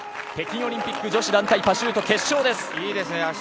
北京オリンピック女子団体パシュートいいですね。